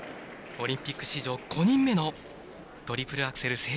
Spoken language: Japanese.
オリンピック史上５人目のトリプルアクセル